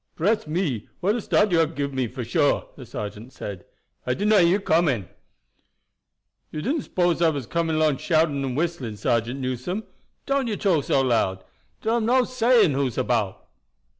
"Bress me, what a start you hab given me, for suah!" the sergeant said. "I did not hear you coming. "You didn't s'pose I was coming along shouting and whistling, Sergeant Newson? Don't you talk so loud. Dar am no saying who's about."